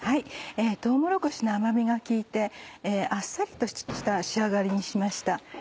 とうもろこしの甘みが効いたあっさりとした仕上がりにしました。